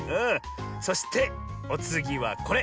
そしておつぎはこれ。